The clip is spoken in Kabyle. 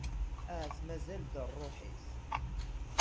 Ahat mazal-d rruḥ-is.